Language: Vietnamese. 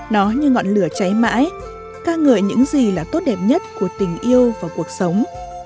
nó như ngọn lửa cháy mãi ca ngợi những gì là tốt đẹp nhất của tình yêu và cuộc sống